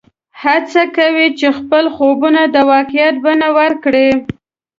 هڅه کوه چې خپل خوبونه د واقعیت بڼه ورکړې